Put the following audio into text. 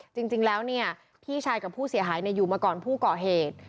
จริงแล้วพี่ชายกับผู้เสียหายอยู่มาก่อนผู้ก่อเหตุ